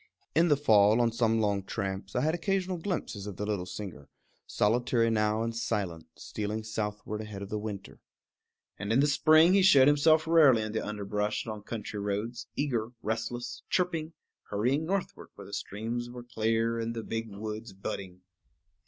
In the fall, on some long tramps, I had occasional glimpses of the little singer, solitary now and silent, stealing southward ahead of the winter. And in the spring he showed himself rarely in the underbrush on country roads, eager, restless, chirping, hurrying northward where the streams were clear and the big woods budding.